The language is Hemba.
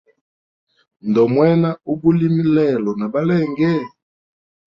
Ndomwena ubulimi lelo na balenge?